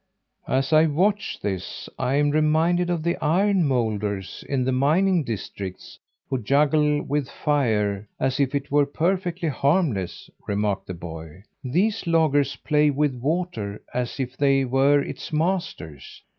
"As I watch this, I'm reminded of the iron moulders in the mining districts, who juggle with fire as if it were perfectly harmless," remarked the boy. "These loggers play with water as if they were its masters.